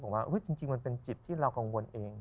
ผมว่าจริงมันเป็นจิตที่เรากังวลเอง